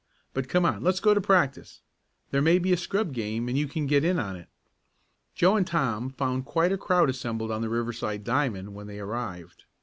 But come on, let's go to practice. There may be a scrub game and you can get in on it." Joe and Tom found quite a crowd assembled on the Riverside diamond when they arrived.